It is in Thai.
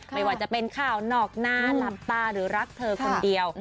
ไม่ว่าจะเป็นข่าวนอกหน้าหลับตาหรือรักเธอคนเดียว